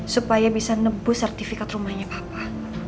supaya bisa nebus sertifikat rumahnya papa